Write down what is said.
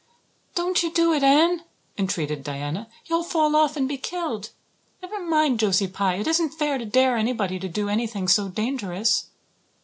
"Don't you do it, Anne," entreated Diana. "You'll fall off and be killed. Never mind Josie Pye. It isn't fair to dare anybody to do anything so dangerous."